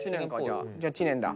じゃあ知念だ。